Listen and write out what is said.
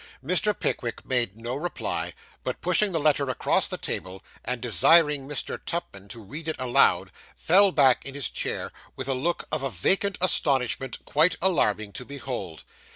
Mr. Pickwick made no reply, but, pushing the letter across the table, and desiring Mr. Tupman to read it aloud, fell back in his chair with a look of vacant astonishment quite alarming to behold.